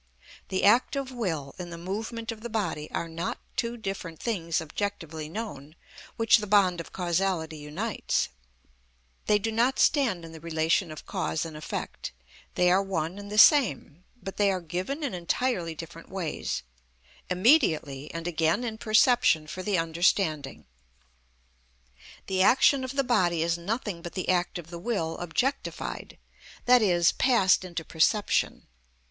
The act of will and the movement of the body are not two different things objectively known, which the bond of causality unites; they do not stand in the relation of cause and effect; they are one and the same, but they are given in entirely different ways,—immediately, and again in perception for the understanding. The action of the body is nothing but the act of the will objectified, i.e., passed into perception.